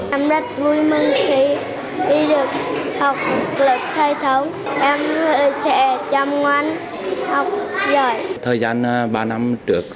em rất vui mừng khi đi được học lực thầy thông em sẽ chăm ngoan học giỏi